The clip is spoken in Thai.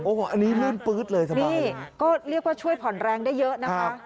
โอ้โหอันนี้ลื่นปื๊ดเลยทำไมนี่ก็เรียกว่าช่วยผ่อนแรงได้เยอะนะคะ